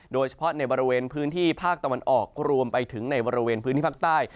โดยเฉพาะในบริเวณพื้นที่ภาคตะวันออกรวมไปถึงในบริเวณพื้นที่ภาคใต้